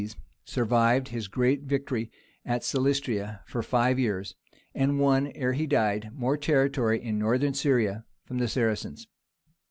_) John Zimisces survived his great victory at Silistria for five years, and won, ere he died, more territory in Northern Syria from the Saracens.